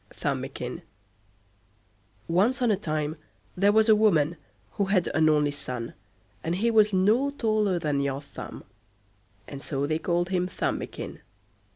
THUMBIKIN Once on a time there was a woman who had an only son, and he was no taller than your thumb; and so they called him Thumbikin.